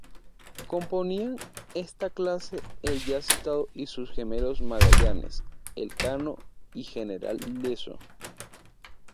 Componían esta clase el ya citado y sus gemelos "Magallanes", "Elcano" y "General Lezo".